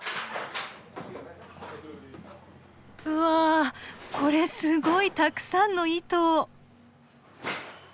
うわこれすごいたくさんの糸。